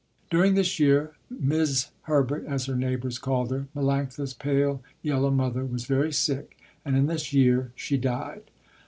During this year 'Mis' Herbert as her neighbors called her, Melanctha's pale yellow mother was very sick, and in this year she died.